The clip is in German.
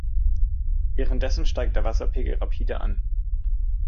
Währenddessen steigt der Wasserpegel rapide an.